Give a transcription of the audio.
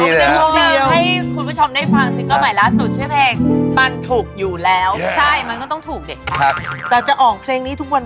หน้าอยากให้ฟังอีกหน่อยเนว